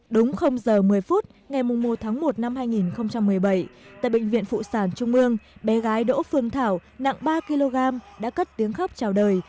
đúng giờ một mươi phút ngày một tháng một năm hai nghìn một mươi bảy tại bệnh viện phụ sản trung mương bé gái đỗ phương thảo nặng ba kg đã cất tiếng khắp chào đời